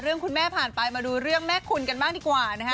คุณแม่ผ่านไปมาดูเรื่องแม่คุณกันบ้างดีกว่านะฮะ